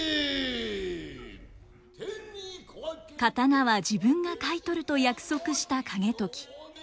刀は自分が買い取ると約束した景時。